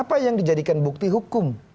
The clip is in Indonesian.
mereka akan diberikan bukti hukum